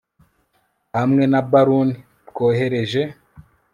hamwe na ballon twohereje